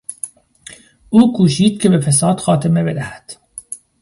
او کوشید که به فساد خاتمه بدهد.